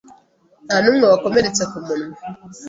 ntanumwe wakomeretse ku munwa